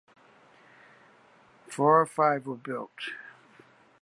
Four or five were built.